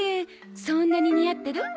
そんなに似合ってる？